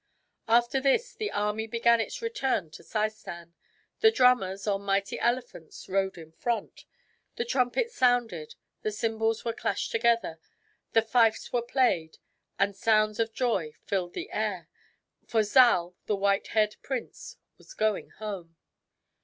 After this the army began its return to Seistan. The druriimers, on ittighty elephants, rode in front. The truihpets sounded, the cymbals were clashed together, the fifes were played, and sounds of joy filled the air; for Zal, the white haired prince, was going home.